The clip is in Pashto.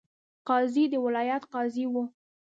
قاضي د ولایت قاضي وو.